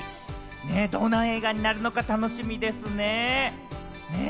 どんな映画になるのか楽しみですね。